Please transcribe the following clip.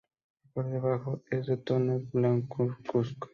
Por debajo es de tono blancuzco.